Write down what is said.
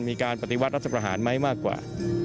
มีการปฏิวัติรัฐประหารไหมมากกว่า